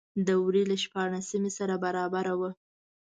د وري له شپاړلسمې سره برابره وه.